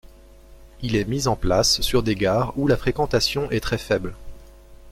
Il est mis en place sur des gares où la fréquentation est très faible.